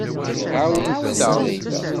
Ɛawnent-aɣ.